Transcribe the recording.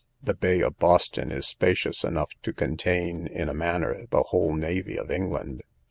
The bay of Boston is spacious enough to contain, in a manner, the whole navy of England.